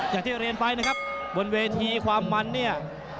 อย่างที่เรียนไปนะครับบนเวทีความมันเนี่ย